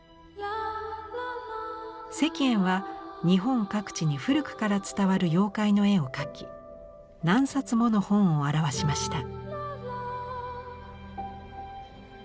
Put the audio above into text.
石燕は日本各地に古くから伝わる妖怪の絵を描き何冊もの本を著しました。